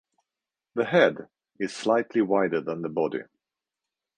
The head is slightly wider than the body.